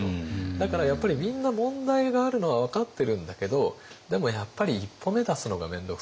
だからやっぱりみんな問題があるのは分かってるんだけどでもやっぱり一歩目出すのがめんどくさい。